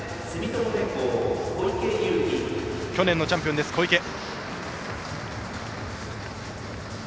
去年のチャンピオン、小池。